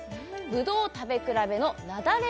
ぶどう食べ比べのなだれ